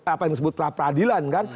apa yang disebut pra peradilan kan